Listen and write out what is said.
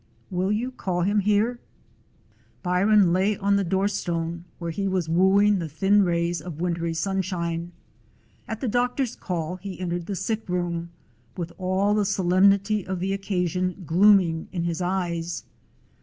Will you call him here?" Byron lay on the door stone, where he was wooing the thin rays of wintry sunshine. At the doctor's call he entered the sick room, with all the solemnity of the occasion glooming in his eyes.